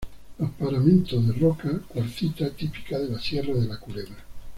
Los paramentos de roca cuarcita típica de la sierra de la culebra.